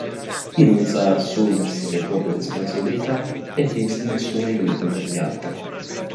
Chi non sa assumersi le proprie responsabilità, è di nessuno aiuto per gli altri.